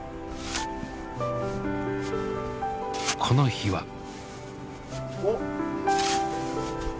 この日は。